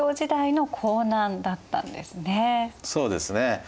そうですね。